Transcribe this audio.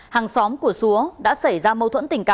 hàng xóm của xúa đã xảy ra mâu thuẫn tình cảm